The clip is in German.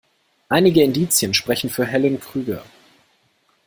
Einige Indizien sprechen für Helen Krüger.